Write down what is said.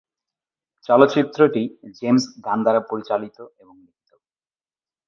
চলচ্চিত্রটি James Gunn দ্বারা পরিচালিত এবং লিখিত।